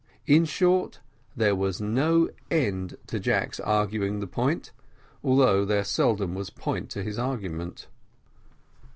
In short, there was no end to Jack's arguing the point, although there seldom was point to his argument.